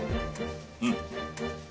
うん。